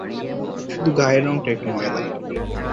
শুধু গায়ের রঙটা একটু ময়লা।